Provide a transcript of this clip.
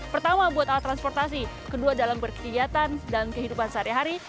pertama buat alat transportasi kedua dalam berkegiatan dan kehidupan sehari hari